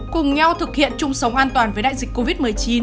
cùng nhau thực hiện chung sống an toàn với đại dịch covid một mươi chín